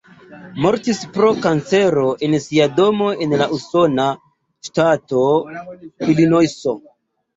Mortis pro kancero en sia domo en la usona ŝtato Ilinojso.